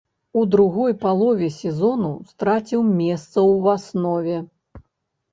У другой палове сезону страціў месца ў аснове.